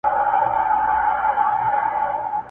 ورک سم په هینداره کي له ځان سره!!